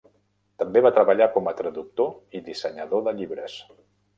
També va treballar com a traductor i dissenyador de llibres.